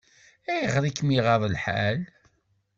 Ayɣer i kem-iɣaḍ lḥal?